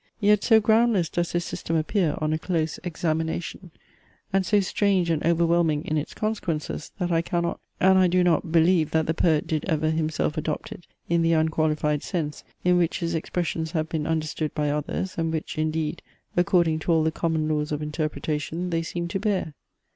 Yet so groundless does this system appear on a close examination; and so strange and overwhelming in its consequences, that I cannot, and I do not, believe that the poet did ever himself adopt it in the unqualified sense, in which his expressions have been understood by others, and which, indeed, according to all the common laws of interpretation they seem to bear.